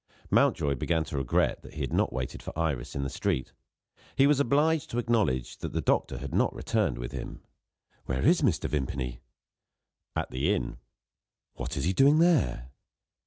Mountjoy began to regret that he had not waited for Iris in the street. He was obliged to acknowledge that the doctor had not returned with him. "Where is Mr. Vimpany?" "At the inn." "What is he doing there?"